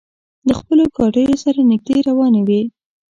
له خپلو ګاډیو سره نږدې روانې وې.